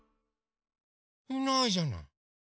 いないじゃない。